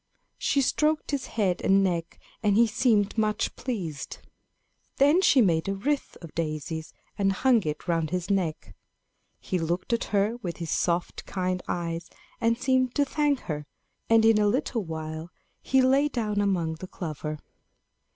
She stroked his head and neck, and he seemed much pleased. Then she made a wreath of daisies, and hung it round his neck. He looked at her with his soft kind eyes, and seemed to thank her; and in a little while, he lay down among the clover.